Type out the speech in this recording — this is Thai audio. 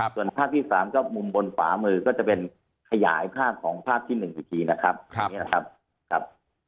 ส่วนภาพที่๓ก็มุมบนฝามือก็จะเป็นขยายภาพของภาพที่๑จริงนะครับ